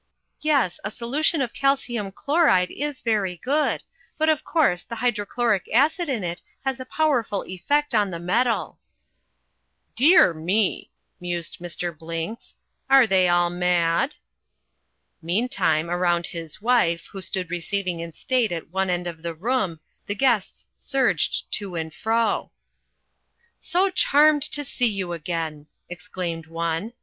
"Yes, a solution of calcium chloride is very good, but of course the hydrochloric acid in it has a powerful effect on the metal." "Dear me," mused Mr. Blinks, "are they all mad?" Meantime, around his wife, who stood receiving in state at one end of the room, the guests surged to and fro. "So charmed to see you again," exclaimed one.